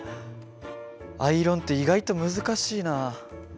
アイロンって意外と難しいな。